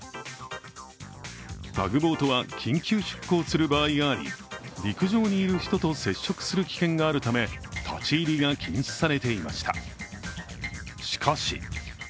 タグボートは緊急出航する場合があり陸上にいる人と接触する危険があるため、立ち入りが禁止されていました。